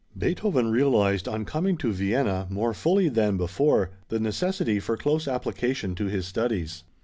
Beethoven realized, on coming to Vienna, more fully than before, the necessity for close application to his studies.